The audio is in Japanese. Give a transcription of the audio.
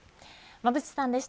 馬渕さんでした。